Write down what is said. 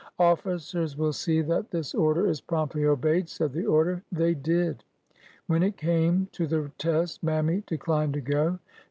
'' Officers will see that this order is promptly obeyed,'^ said the order. They did. When it came to the test. Mammy declined to go.